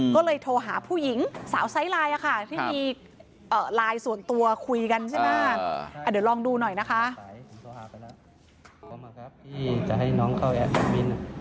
ก็เลยโทรหาผู้หญิงสาวไซด์ไลน์อ่ะค่ะที่มีไลน์ส่วนตัวคุยกันใช่ไหม